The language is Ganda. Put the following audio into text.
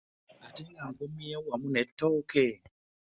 Ate ng'ekomyewo wamu n'ettooke